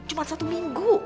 cuma satu minggu